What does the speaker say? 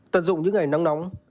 tận dụng những ngày nắng nóng